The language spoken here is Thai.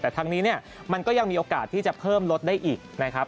แต่ทางนี้เนี่ยมันก็ยังมีโอกาสที่จะเพิ่มลดได้อีกนะครับ